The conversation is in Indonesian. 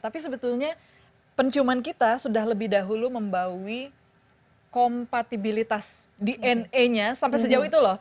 tapi sebetulnya penciuman kita sudah lebih dahulu membaui kompatibilitas dna nya sampai sejauh itu loh